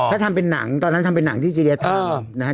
ถ้าทำเป็นหนังตอนนั้นทำเป็นหนังที่จีเดสทำ